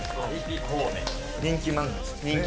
人気漫画ですよね。